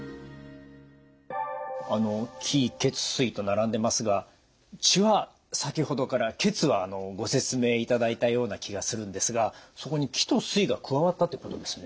あの気・血・水と並んでますが血は先ほどから血はご説明いただいたような気がするんですがそこに気と水が加わったってことですね？